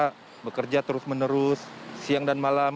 kita bekerja terus menerus siang dan malam